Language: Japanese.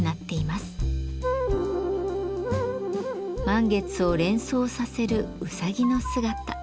満月を連想させるうさぎの姿。